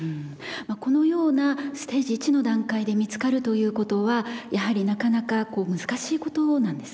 このようなステージ１の段階で見つかるということはやはりなかなかこう難しいことなんですか？